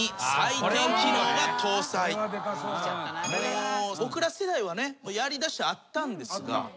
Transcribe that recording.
もう僕ら世代はねやりだしたらあったんですが。